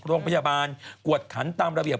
โรงพยาบาลกวดขันตามระเบียบ